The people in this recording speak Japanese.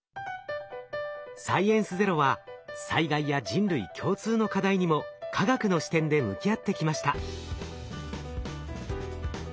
「サイエンスＺＥＲＯ」は災害や人類共通の課題にも科学の視点で向き合ってきました。